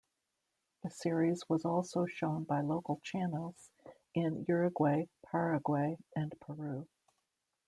The series was also shown by local channels in Uruguay, Paraguay, and Peru.